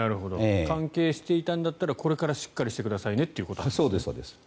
関係していたんだったらこれからしっかりしてくださいねと。